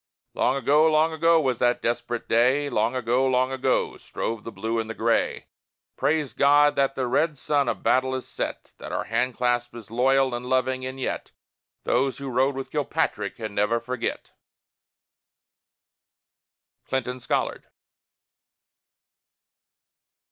Long ago, long ago, was that desperate day! Long ago, long ago, strove the Blue and the Gray! Praise God that the red sun of battle is set! That our hand clasp is loyal and loving and yet, Those who rode with Kilpatrick can never forget! CLINTON SCOLLARD.